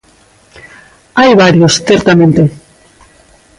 Hai varios, certamente.